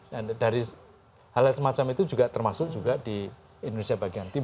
dan dari hal hal semacam itu juga termasuk juga di indonesia bagian timur